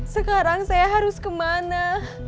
sekarang saya harus kemana